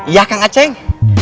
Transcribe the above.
ya kang aceh